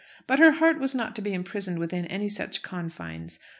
But her heart was not to be imprisoned within any such confines.